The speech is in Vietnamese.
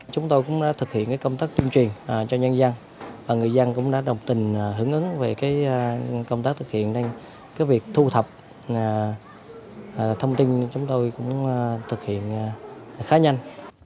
chúng tôi cũng đã thực hiện công tác tuyên truyền cho nhân dân và người dân cũng đã đồng tình hứng ứng về công tác thực hiện việc thu thập thông tin